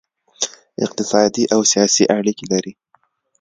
اقتصادي او سیاسي اړیکې لري